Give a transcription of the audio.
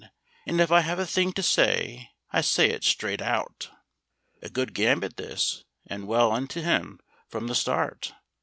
And if I have a thing to say I say it straight out." A good gambit this, and well into him from the start.